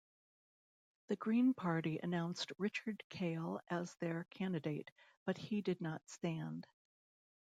The Green Party announced Richard Kail as their candidate, but he did not stand.